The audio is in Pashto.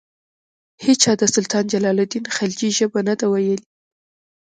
هیچا د سلطان جلال الدین خلجي ژبه نه ده ویلي.